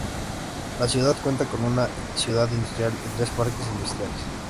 La ciudad cuenta con una ciudad industrial y tres parques industriales.